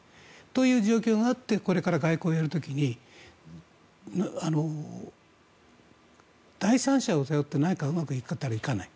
という状況があってこれから外交をやる時に第三者を頼って何かうまくいくかというといかない。